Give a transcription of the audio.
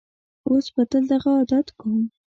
اوس به تل دغه عادت کوم.